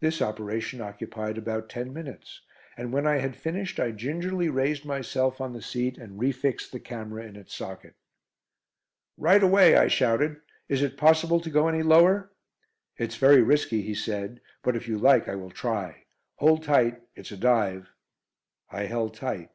This operation occupied about ten minutes, and when I had finished I gingerly raised myself on the seat and refixed the camera in its socket. "Right away," I shouted. "Is it possible to go any lower?" "It's very risky," he said, "but if you like I will try. Hold tight, it's a dive." I held tight.